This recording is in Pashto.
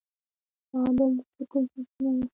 تعادل د سکون سرچینه ده.